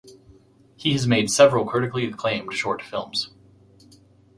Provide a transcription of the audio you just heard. He has made several critically acclaimed short films.